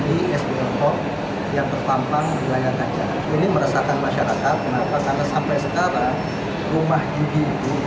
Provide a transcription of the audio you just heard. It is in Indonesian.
dan bangsa dan negara ini tidak pernah melayangkan rumah judi